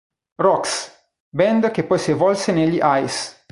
Rocks, band che poi si evolse negli Eyes.